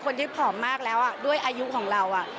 คนที่ผอมมากแล้วด้วยอายุของเรา